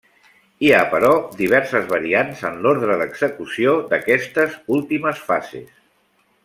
Hi ha, però, diverses variants en l'ordre d'execució d'aquestes últimes fases.